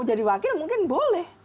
jadi wakil mungkin boleh